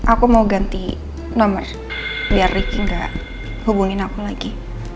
aku mau ganti nomor biar ricky gak hubungin aku lagi